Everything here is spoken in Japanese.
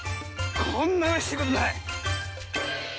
こんなうれしいことない。